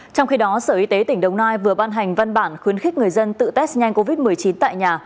trong khi đó sở y tế tỉnh đồng nai vừa ban hành văn bản khuyến khích người dân tự test nhanh covid một mươi chín tại nhà